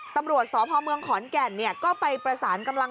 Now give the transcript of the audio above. ตำรวจศพคแก่นก็ไปประสานกำลัง